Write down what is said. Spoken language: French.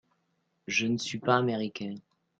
Je ne suis pas américain.